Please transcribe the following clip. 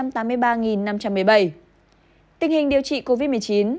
tình hình điều trị covid một mươi chín